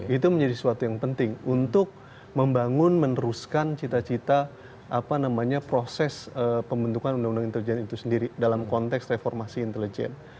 itu menjadi suatu yang penting untuk membangun meneruskan cita cita proses pembentukan undang undang intelijen itu sendiri dalam konteks reformasi intelijen